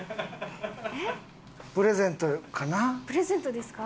えっ？プレゼントかな？